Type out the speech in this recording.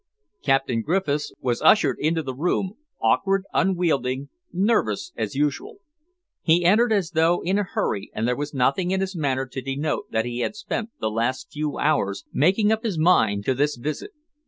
Captain Griffiths was ushered into the room awkward, unwieldly, nervous as usual. He entered as though in a hurry, and there was nothing in his manner to denote that he had spent the last few hours making up his mind to this visit.